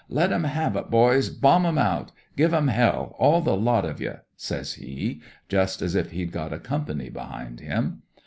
* Let 'em have it, boys I Bomb 'em out ! Give 'em hell ! All the lot of ye 1 ' says he, just as if he'd got a company behind him.